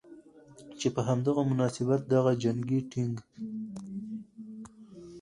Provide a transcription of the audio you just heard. چې په هم دغه مناسبت دغه جنګي ټېنک